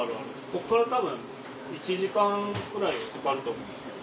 こっからたぶん１時間くらいはかかると思うんですけど。